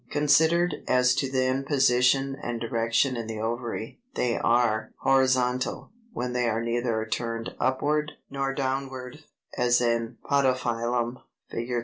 ] 319. Considered as to then position and direction in the ovary, they are Horizontal, when they are neither turned upward nor downward, as in Podophyllum (Fig.